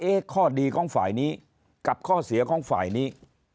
ข้อดีของฝ่ายนี้กับข้อเสียของฝ่ายนี้